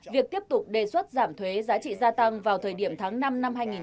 việc tiếp tục đề xuất giảm thuế giá trị gia tăng vào thời điểm tháng năm năm hai nghìn hai mươi